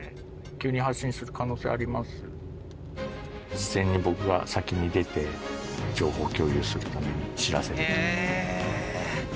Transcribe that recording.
事前に僕が先に出て情報共有するために知らせるというか。